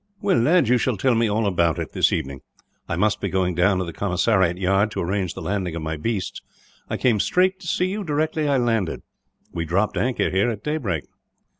"Well, lad, you shall tell me all about it, this evening. I must be going down to the commissariat yard, to arrange the landing of my beasts. I came straight to see you, directly I landed. We dropped anchor here at daybreak."